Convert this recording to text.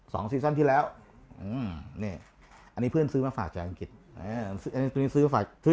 ๒ซีซั่นที่แล้วอันนี้เพื่อนซื้อมาฝากจากอังกฤษซื้อฝากซื้อ